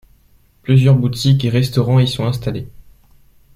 Plusieurs boutiques et restaurants y sont installés.